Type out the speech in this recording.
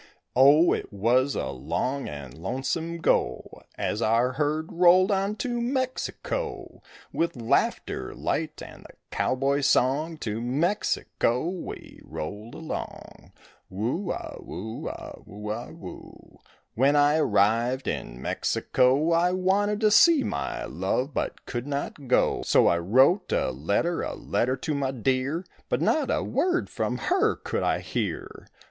Oh, it was a long and lonesome go As our herd rolled on to Mexico; With laughter light and the cowboy's song To Mexico we rolled along. Whoo a whoo a whoo a whoo. When I arrived in Mexico I wanted to see my love but could not go; So I wrote a letter, a letter to my dear, But not a word from her could I hear.